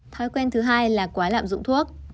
thói quen thứ hai là quá lạm dụng thuốc